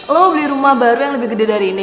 lo beli rumah baru yang lebih gede dari ini